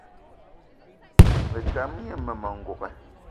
Me tam gne mmema n'gogué